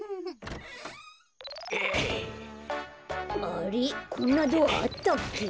あれっこんなドアあったっけ？